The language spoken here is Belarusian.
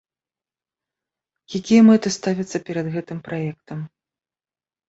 Якія мэты ставяцца перад гэтым праектам?